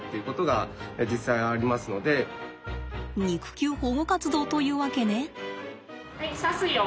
肉球保護活動というわけね。